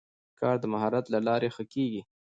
کار د مهارت له لارې ښه کېږي